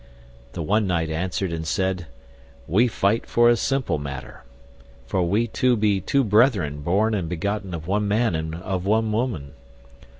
The one knight answered and said, We fight for a simple matter, for we two be two brethren born and begotten of one man and of one woman.